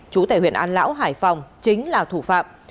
chú tại huyện an lão hải phòng chính là thủ phạm